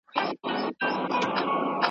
د تاریخ ناوی گلونه په اوربل ږدي.